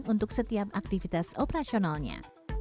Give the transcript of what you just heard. untuk setiap aktivitas operasionalnya